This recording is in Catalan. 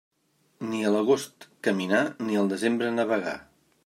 Ni a l'agost caminar, ni al desembre navegar.